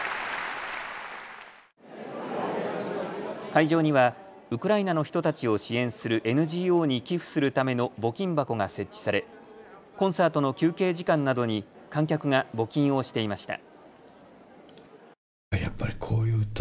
会場にはウクライナの人たちを支援するＮＧＯに寄付するための募金箱が設置されコンサートの休憩時間などに観客が募金をしていました。